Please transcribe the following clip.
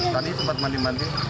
tadi sempat mandi mandi